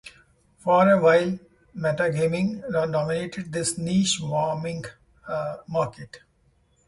For a while, Metagaming dominated this niche wargaming market.